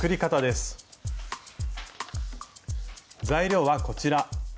材料はこちら。